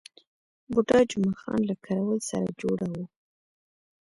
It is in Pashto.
بوډا جمعه خان له کراول سره جوړه وه.